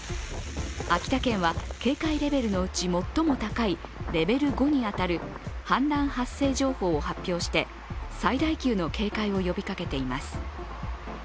秋田県は、警戒レベルのうち最も高いレベル５に当たる氾濫発生情報を発表して最大級の警戒を呼びかけています。